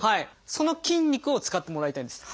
その筋肉を使ってもらいたいんです。